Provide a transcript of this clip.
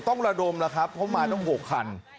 ต้องระดมแล้วครับเพราะมาต้อง๖คัน